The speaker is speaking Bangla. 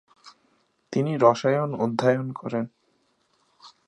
তিনি রসায়ন অধ্যয়ন করেন।